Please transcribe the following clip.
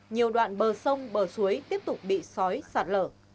nhiều đoạn bờ sông bờ suối tiếp tục bị sói sạt lở